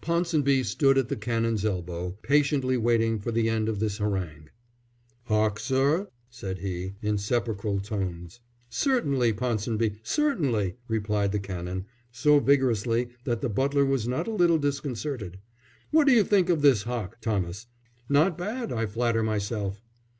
Ponsonby stood at the Canon's elbow, patiently waiting for the end of this harangue. "Hock, sir?" said he, in sepulchral tones. "Certainly, Ponsonby, certainly!" replied the Canon, so vigorously that the butler was not a little disconcerted. "What do you think of this hock, Thomas? Not bad, I flatter myself."